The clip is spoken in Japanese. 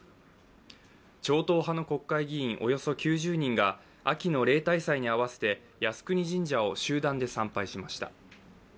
超党派の国会議員およそ９０人が秋の例大祭に合わせて靖国神社を集団で参拝しました。